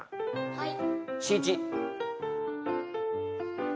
はい。